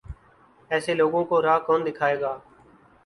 ایسے لوگوں کو راہ کون دکھائے گا؟